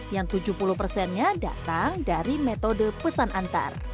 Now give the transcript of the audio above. yang tujuh puluh persennya dari warung makanan